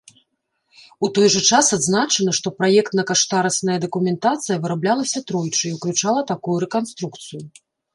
У той жа час адзначана што праектна-каштарысная дакументацыя выраблялася тройчы і ўключала такую рэканструкцыю.